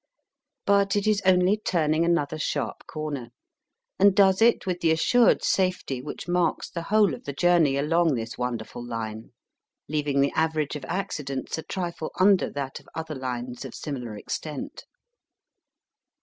But it is only turning another sharp comer, and does it with the assured safety which marks the whole of the journey along this wonderful line, leaving the average of accidents a trifle under that of other lines of similar extent.